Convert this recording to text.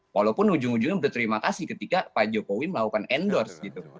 walaupun ujung ujungnya berterima kasih ketika pak jokowi melakukan endorse gitu